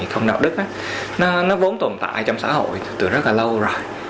không đạo đức á nó vốn tồn tại trong xã hội từ rất là lâu rồi